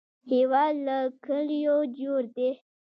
هېواد له کلیو جوړ دی